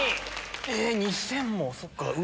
え２０００円もそっか。